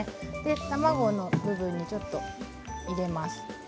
卵の部分に、ちょっと入れます。